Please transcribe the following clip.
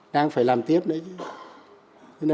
đang phải làm tiếp đấy chứ